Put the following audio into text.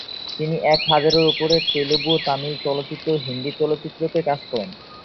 তিনি এক হাজারেরও উপরে তেলুগু, তামিল চলচ্চিত্র ও হিন্দি চলচ্চিত্রেও কাজ করেন।